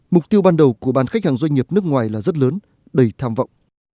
mục tiêu ban đầu của bán khách hàng doanh nghiệp nước ngoài là rất lớn đầy tham vọng